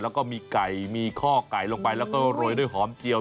แล้วก็มีไก่มีข้อไก่ลงไปแล้วก็โรยด้วยหอมเจียว